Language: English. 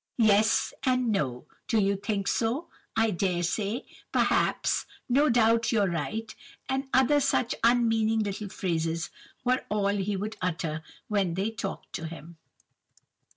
'Yes' and 'No;' 'Do you think so?' 'I dare say;' 'Perhaps;' 'No doubt you're right;' and other such unmeaning little phrases were all he would utter when they talked to him.